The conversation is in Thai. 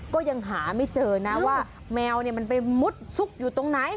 ก็ยังหาไม่เจอนะว่าแมวมันไปมุดซุกอยู่ตรงไหน